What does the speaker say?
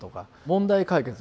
問題解決